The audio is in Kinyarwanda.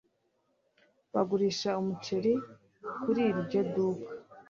Bagurisha umuceri kuri iryo duka